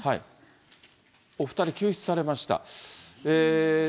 お２人、救出されました。